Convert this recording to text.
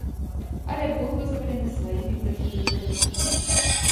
Але быў вызвалены сваімі прыхільнікамі.